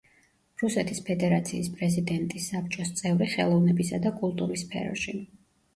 რუსეთის ფედერაციის პრეზიდენტის საბჭოს წევრი ხელოვნებისა და კულტურის სფეროში.